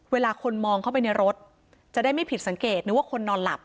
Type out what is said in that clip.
เวลาคนมองเข้าไปในรถจะได้ไม่ผิดสังเกตนึกว่าคนนอนหลับ